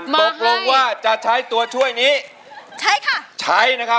เป็นตัวช่วยที่